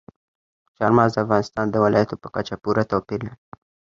چار مغز د افغانستان د ولایاتو په کچه پوره توپیر لري.